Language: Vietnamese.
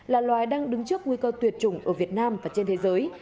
là loài đang đứng trước nguy cơ tuyệt chủng ở việt nam và trên thế giới